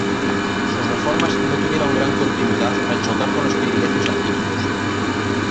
Sus reformas no tuvieron gran continuidad, al chocar con los privilegios adquiridos.